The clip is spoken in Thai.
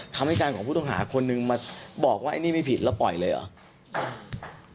คำให้การของผู้ต้องหาคนนึงมาบอกว่าไอ้นี่ไม่ผิดแล้วปล่อยเลยเหรอ